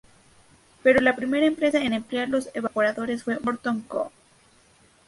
Pero la primera empresa en emplear los evaporadores fue Morton Co.